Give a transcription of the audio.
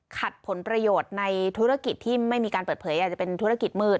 ผลประโยชน์ในธุรกิจที่ไม่มีการเปิดเผยอาจจะเป็นธุรกิจมืด